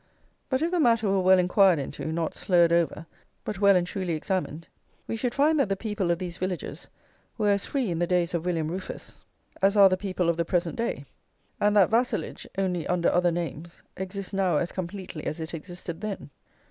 But if the matter were well enquired into, not slurred over, but well and truly examined, we should find that the people of these villages were as free in the days of William Rufus as are the people of the present day; and that vassalage, only under other names, exists now as completely as it existed then.